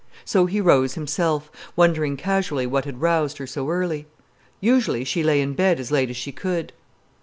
So he rose himself, wondering casually what had roused her so early. Usually she lay in bed as late as she could.